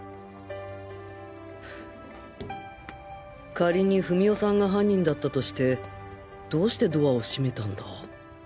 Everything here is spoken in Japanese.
仮に史緒さんが犯人だったとしてどうしてドアを閉めたんだ？